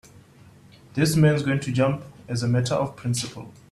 This man's going to jump as a matter of principle.